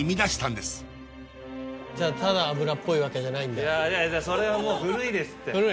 じゃあただ脂っぽいわけじゃないんだそれはもう古いですって古い？